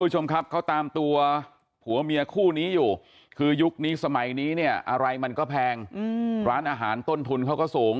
คุณผู้ชมครับเขาตามตัวผัวเมียคู่นี้อยู่คือยุคนี้สมัยนี้เนี่ยอะไรมันก็แพงร้านอาหารต้นทุนเขาก็สูง